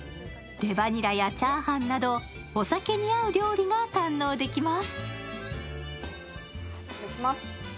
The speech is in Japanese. レバニラやチャーハンなどお酒に合う料理が堪能できます。